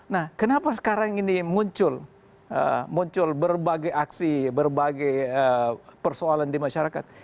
nah kenapa sekarang ini muncul berbagai aksi berbagai persoalan di masyarakat